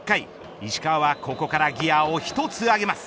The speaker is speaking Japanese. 石川はここからギアを１つ上げます。